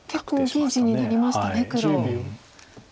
結構大きい地になりましたね黒。